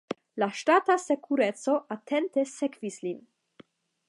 La ŝtata sekureco atente sekvis lin.